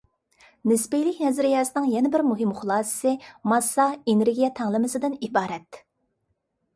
نىسپىيلىك نەزەرىيەسىنىڭ يەنە بىر مۇھىم خۇلاسىسى، ماسسا - ئېنېرگىيە تەڭلىمىسىدىن ئىبارەت.